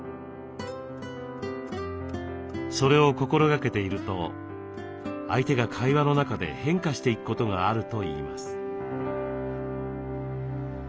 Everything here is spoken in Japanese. それを心がけていると相手が会話の中で変化していくことがあるといいます。